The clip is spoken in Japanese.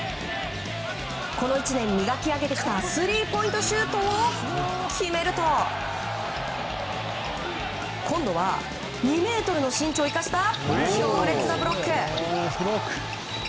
この１年、磨き上げてきたスリーポイントシュートを決めると今度は２ｍの身長を生かした強烈なブロック！